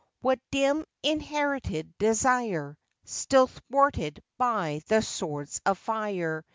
What dim, inherited desire, Still thwarted by the swords of fire